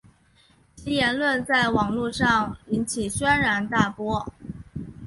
其言论在网路上引起轩然大波。